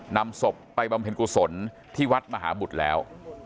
นำศพไปบำเพ็ญกุศลที่วัดมหาบุตรแล้ว